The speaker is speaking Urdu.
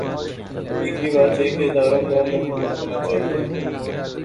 تیسری بات یہ کہ اداروں کو اب مضبوط ہو نا چاہیے۔